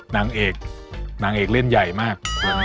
นางเอกนางเอกเล่นใหญ่มาก